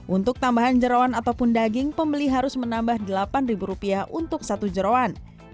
untuk tambahan jerawan ataupun daging pembeli harus menambah delapan rupiah untuk satu jerawan